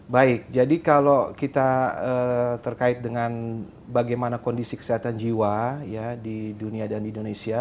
baik jadi kalau kita terkait dengan bagaimana kondisi kesehatan jiwa di dunia dan di indonesia